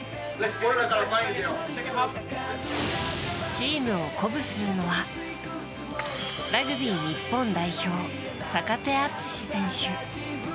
チームを鼓舞するのはラグビー日本代表、坂手淳史選手。